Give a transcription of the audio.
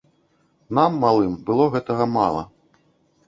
Нам, малым, было гэтага мала.